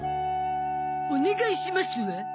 「お願いします」は？